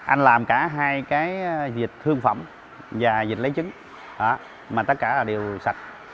anh làm cả hai cái dịch thương phẩm và dịch lấy chứng mà tất cả đều sạch